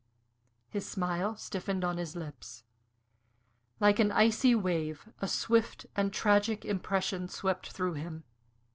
His smile stiffened on his lips. Like an icy wave, a swift and tragic impression swept through him.